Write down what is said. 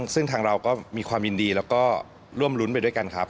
ซึ่งทางเราก็มีความยินดีแล้วก็ร่วมรุ้นไปด้วยกันครับ